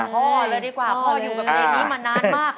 พ่อเลยดีกว่าพ่ออยู่กับเพลงนี้มานานมาก